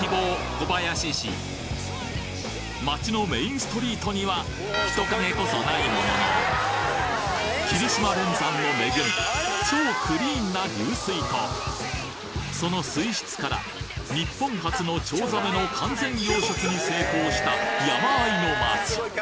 小林市街のメインストリートには人影こそないものの霧島連山の恵み超クリーンな流水とその水質から日本初のチョウザメの完全養殖に成功した山あいの街